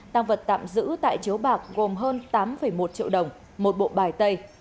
tăng vật tạm giữ tại chiếu bạc gồm hơn tám một triệu đồng một bộ bài tay